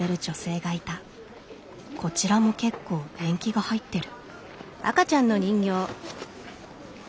こちらも結構年季が入ってる。